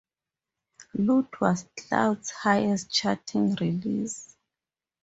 "Loot" was Clouds highest charting release.